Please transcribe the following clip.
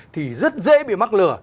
thì rất dễ bị mắc lừa